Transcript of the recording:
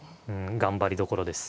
頑張りどころです。